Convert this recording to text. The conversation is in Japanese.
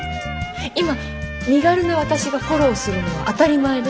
今身軽な私がフォローするのは当たり前で。